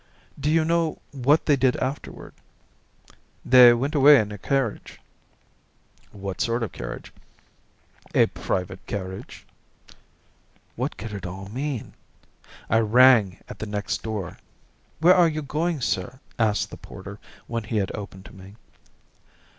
"Do you know what they did afterward?" "They went away in a carriage." "What sort of a carriage?" "A private carriage." What could it all mean? I rang at the next door. "Where are you going, sir?" asked the porter, when he had opened to me.